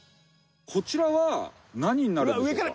こちらは何になるんでしょうか？